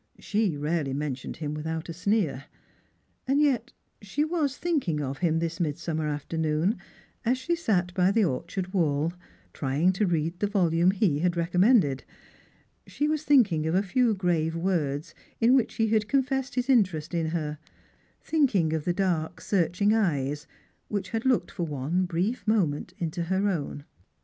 She rarely mentioned him without a sneer. And yet she was thinking of him this midsummer afternoon, as she sat by the orchard wall, trying to read the volume he had recommended ; she was thinking of a few grave words in which he had confesseif his interest in her ; thinking of the dark searching eyes whicl» had looked for one brief moment into her own.